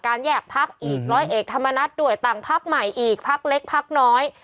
แยกพักอีกร้อยเอกธรรมนัฐด้วยต่างพักใหม่อีกพักเล็กพักน้อย